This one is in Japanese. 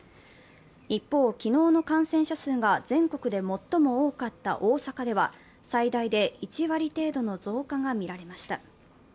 一方、昨日の感染者数が全国で最も多かった最大で１割程度の増加がみられました。